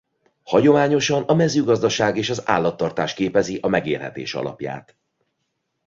Hagyományosan a mezőgazdaság és az állattartás képezi a megélhetés alapját.